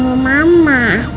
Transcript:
aku mau ketemu mama